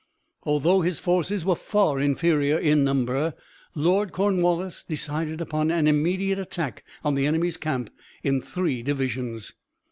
Although his forces were far inferior in number, Lord Cornwallis decided upon an immediate attack on the enemy's camp in three divisions.